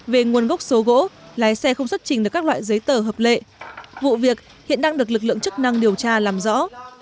về nguồn gốc số gỗ lái xe không xuất trình được các loại giấy tờ hợp lệ vụ việc hiện đang được lực lượng chức năng điều tra làm rõ